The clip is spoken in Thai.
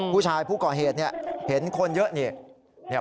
ผู้ชายผู้ก่อเหตุเห็นคนเยอะนี่